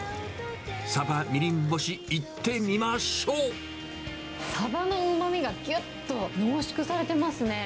サバみりん干し、いってみまサバのうまみがぎゅっと濃縮されていますね。